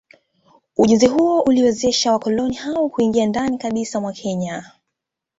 Ujenzi huo uliwezesha wakoloni hao kuingia ndani kabisa mwa Kenya